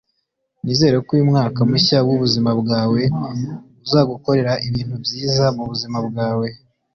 nizera ko uyu mwaka mushya wubuzima bwawe uzagukorera ibintu byiza mubuzima bwawe